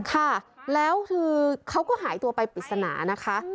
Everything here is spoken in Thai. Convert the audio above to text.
ค่ะแล้วคือเขาก็หายตัวไปปริศนานะคะ